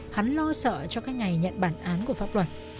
hắn lo sợ cho các ngày nhận bản án của pháp luật